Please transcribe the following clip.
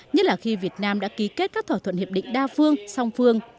nhất là khi việt nam đã ký kết các thỏa thuận hiệp định đa phương song phương